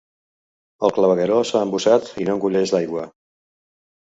El clavegueró s'ha embussat i no engoleix l'aigua.